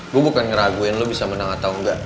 gue bukan ngeraguin lo bisa menang atau enggak